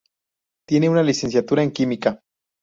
Tiene una licenciatura en Química.